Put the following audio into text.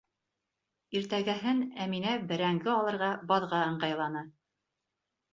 Иртәгәһен Әминә бәрәңге алырға баҙға ыңғайланы.